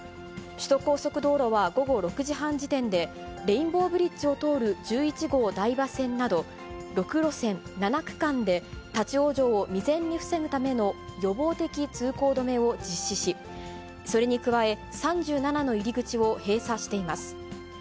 首都高速道路は午後６時半時点で、レインボーブリッジを通る１１合台場線など、６路線７区間で立往生を未然に防ぐための予防的通行止めを実施し、それに加え、３７の入り口を閉鎖しています。